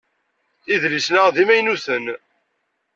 Idlisen-a d imaynuten.